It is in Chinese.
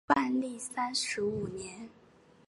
万历三十五年。